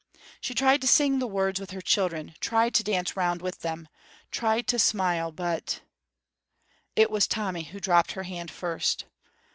She tried to sing the words with her children, tried to dance round with them, tried to smile, but It was Tommy who dropped her hand first.